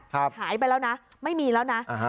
หายไปแล้วนะไม่มีแล้วนะ